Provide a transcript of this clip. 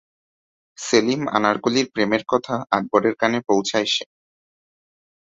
সেলিম-আনারকলির প্রেমের কথা আকবরের কানে পৌঁছায় সে।